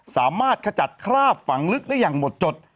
สามารถกระจัดคราบฝั่งลึกได้อย่างหมดจด